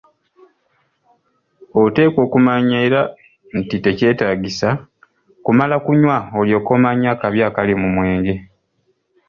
Oteekwa okumanya era nti tekikwetaagisa kumala kunywa olyoke omanye akabi akali mu mwenge.